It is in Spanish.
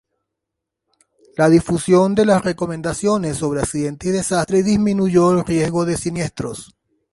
La difusión de las recomendaciones sobre accidentes y desastres disminuyó el riesgo de siniestros.